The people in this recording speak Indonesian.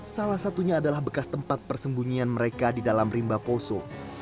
salah satunya adalah bekas tempat persembunyian mereka di dalam rimba poso